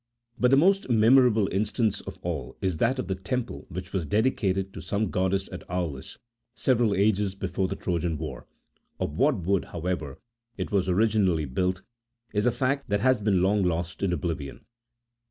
But the most memorable in stance of all is that of the temple which was dedicated to the same goddess at Aulis, several ages before the Trojan War : of what wood, however, it was originally built is a fact that has been long lost in oblivion.